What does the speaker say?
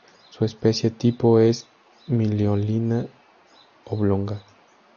Su especie tipo es "Miliolina oblonga".